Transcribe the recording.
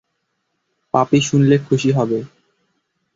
পাপি শুনলে খুশি হবে।